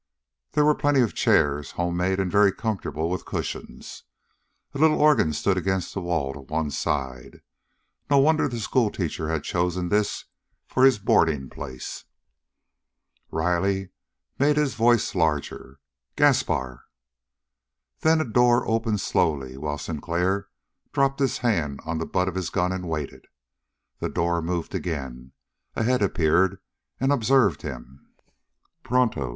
There were plenty of chairs, homemade and very comfortable with cushions. A little organ stood against the wall to one side. No wonder the schoolteacher had chosen this for his boarding place! Riley made his voice larger. "Gaspar!" Then a door opened slowly, while Sinclair dropped his hand on the butt of his gun and waited. The door moved again. A head appeared and observed him. "Pronto!"